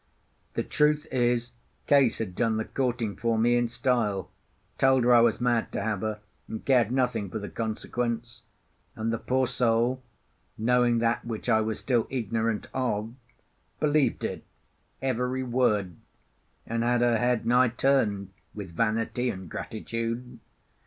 The truth is, Case had done the courting for me in style—told her I was mad to have her, and cared nothing for the consequence; and the poor soul, knowing that which I was still ignorant of, believed it, every word, and had her head nigh turned with vanity and gratitude.